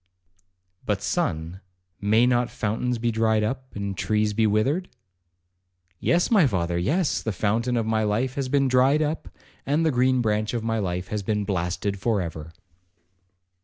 'But, my son, may not fountains be dried up, and trees be withered?' 'Yes, my father,—yes,—the fountain of my life has been dried up, and the green branch of my life has been blasted for ever.'